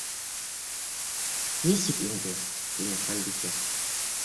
—Нисек инде, —тине Ханбикә.